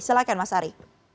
silahkan mas ari